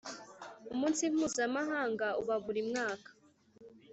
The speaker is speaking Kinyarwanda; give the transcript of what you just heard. Umunsi mpuzamahanga uba burimwaka.